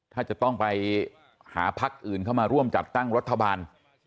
ถ้าจะต้องไปหาพักอื่นเข้ามาร่วมจัดตั้งรัฐบาล